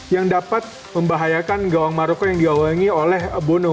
yang dapat membahayakan gawang maroko yang diawangi oleh bono